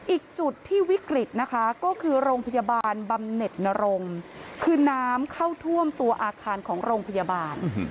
อีกจุดที่วิกฤตนะคะก็คือโรงพยาบาลบำเน็ตนรงค์คือน้ำเข้าท่วมตัวอาคารของโรงพยาบาล